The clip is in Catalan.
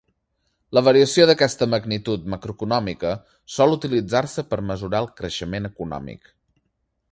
La variació d'aquesta magnitud macroeconòmica sol utilitzar-se per mesurar el creixement econòmic.